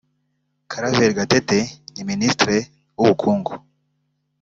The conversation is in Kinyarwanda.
Claver Gatete ni Ministre w’ubukungu